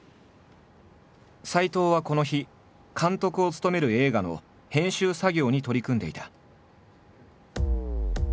斎藤はこの日監督を務める映画の編集作業に取り組んでいた。